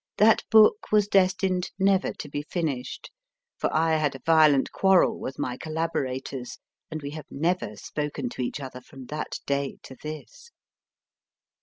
that book was destined never to be finished, for I had a violent quarrel with my collaborators, and we have never spoken to each other from that day to this.